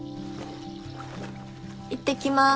いってきます。